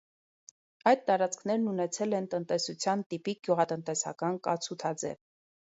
Այդ տարածքներն ունեցել են տնտեսության տիպիկ գյուղատնտեսական կացութաձև։